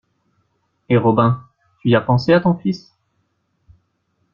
Et Robin, tu y as pensé à ton fils?